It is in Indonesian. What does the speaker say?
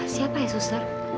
siapa ya suster